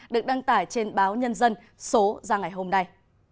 được đăng tải trên báo nhân dân số ra ngày hôm nay